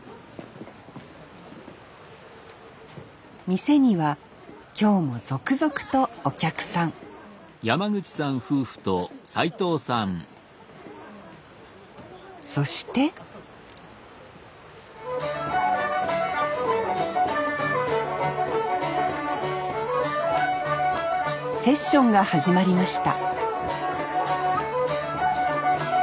店には今日も続々とお客さんそしてセッションが始まりました